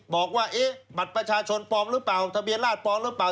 บอกว่าเอ๊ะบัตรประชาชนปลอมหรือเปล่าทะเบียนราชปลอมหรือเปล่า